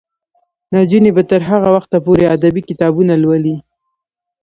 نجونې به تر هغه وخته پورې ادبي کتابونه لولي.